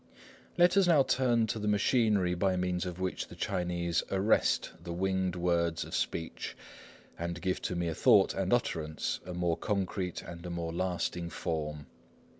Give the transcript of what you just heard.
Let us now turn to the machinery by means of which the Chinese arrest the winged words of speech, and give to mere thought and utterance a more concrete and a more lasting form.